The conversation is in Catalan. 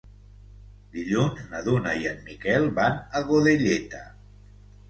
Dilluns na Duna i en Miquel van a Godelleta.